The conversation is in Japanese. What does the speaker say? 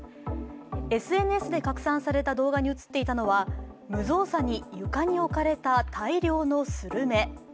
ＳＮＳで拡散された動画に映っていたのは無造作に床に置かれた大量のスルメ。